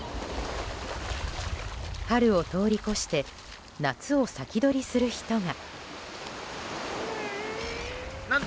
春を通り越して夏を先取りする人が。